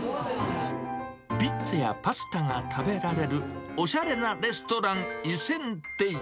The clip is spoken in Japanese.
ピッツァやパスタが食べられるおしゃれなレストラン、イセンテイ。